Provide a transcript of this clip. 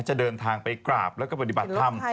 จะเดินทางไปกราบแล้วก็ปฏิบัติธรรม